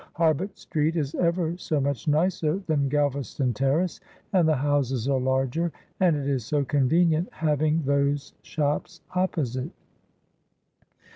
Harbut Street is ever so much nicer than Galvaston Terrace, and the houses are larger, and it is so convenient having those shops opposite."